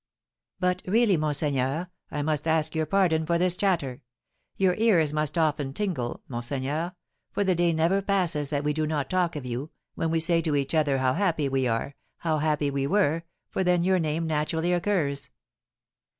"But really, monseigneur, I must ask your pardon for this chatter. Your ears must often tingle, monseigneur, for the day never passes that we do not talk of you, when we say to each other how happy we are, how happy we were, for then your name naturally occurs.